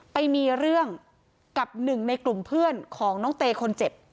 ไปมีเรื่องกับหนึ่งในกลุ่มเพื่อนของน้องเตคนเจ็บ